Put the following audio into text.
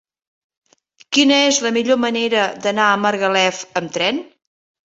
Quina és la millor manera d'anar a Margalef amb tren?